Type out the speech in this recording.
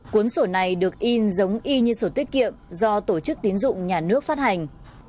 cuốn sổ này được in giống y như sổ tiết kiệm do tổ chức tín dụng nhà nước phát hành